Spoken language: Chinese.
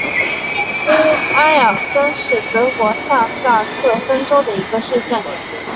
乌埃尔森是德国下萨克森州的一个市镇。